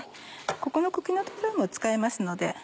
ここの茎の所も使えますので。